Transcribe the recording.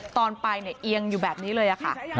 ตอนไปเนี่ยเอียงอยู่แบบนี้เลยค่ะ